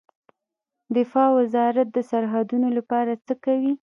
دفاع وزارت د سرحدونو لپاره څه کوي؟